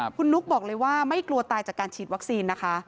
คุณนุ๊กบอกเลยว่าไม่กลัวตายจากการฉีดวัคซีนนะคะ